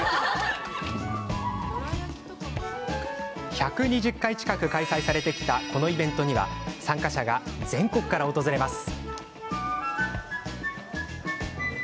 １２０回近く開催されてきたこのイベントには参加者が全国から訪れます。